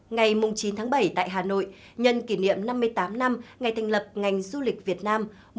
ngày chín tháng bảy tại hà nội nhân kỷ niệm năm mươi tám năm ngày thành lập ngành du lịch việt nam